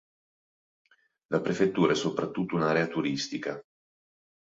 La prefettura è soprattutto un'area turistica.